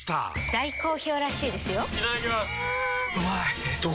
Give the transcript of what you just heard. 大好評らしいですよんうまい！